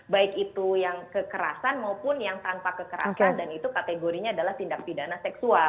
baik itu yang kekerasan maupun yang tanpa kekerasan dan itu kategorinya adalah tindak pidana seksual